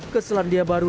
ke selandia baru